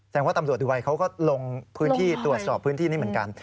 ว่าตำรวจดูวัยเขาก็ลงพื้นที่ตรวจสอบพื้นที่นี้เหมือนกัน